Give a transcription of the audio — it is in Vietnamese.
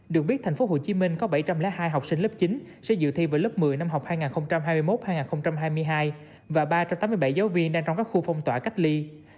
được biết tp hcm có bảy trăm linh hai học sinh lớp chín sẽ dự thi vào lớp một mươi năm học hai nghìn hai mươi một hai nghìn hai mươi hai và ba trăm tám mươi bảy giáo viên đang trong các khu phong tỏa cách ly